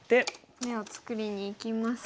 眼を作りにいきますが。